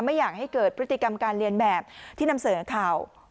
ไม่อยากให้เกิดพฤติกรรมการเรียนแบบที่นำเสนอข่าว